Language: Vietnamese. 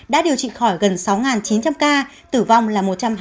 đã điều trị khỏi gần sáu chín trăm linh ca tử vong là một trăm hai mươi năm ca